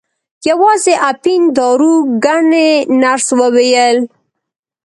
یوازې اپین دارو ګڼي نرس وویل.